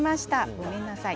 ごめんなさい。